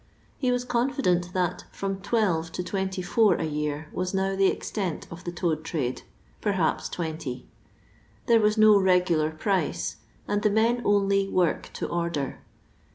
He was confident that from 12 to 24 a year was now the extent of the toad trade, perhaps 20. There was no regular price, and the men only " work to order."